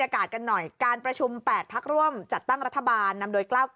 ทางการเมืองไหม